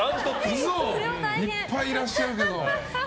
いっぱいいらっしゃるけど。